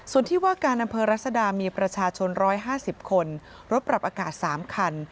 ส่วนที่ว่าการอำเภอรัศดามีประชาชน๑๕๐คนรถปรับอากาศ๓คัน